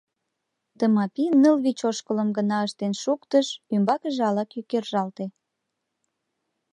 Тымапи ныл-вич ошкылым гына ыштен шуктыш, ӱмбакыже ала-кӧ кержалте.